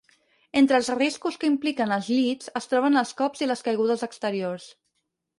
Entre els riscos que impliquen els llits es troben els cops i les caigudes exteriors.